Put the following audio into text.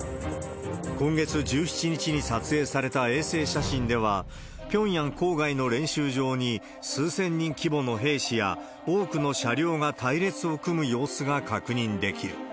今月１７日に撮影された衛星写真では、ピョンヤン郊外の練習場に数千人規模の兵士や多くの車両が隊列を組む様子が確認できる。